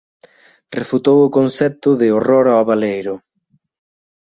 Refutou o concepto de "horror ao baleiro".